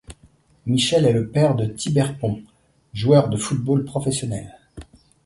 Michel est le père de Tibert Pont, joueur de football professionnel.